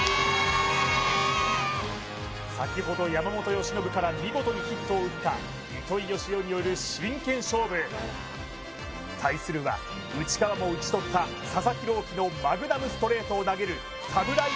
先ほど山本由伸から見事にヒットを打った糸井嘉男による真剣勝負対するは内川も打ち取った佐々木朗希のマグナムストレートを投げるサムライ